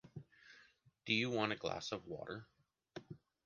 Do you want a glass of water?